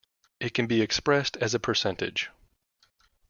It can be expressed as a percentage.